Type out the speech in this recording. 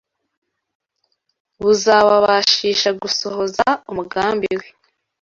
buzababashisha gusohoza umugambi we